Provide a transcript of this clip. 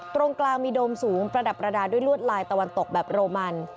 ตรงกลางมีโดมสูงประดับประดาษด้วยลวดลายตะวันตกแบบโรมัน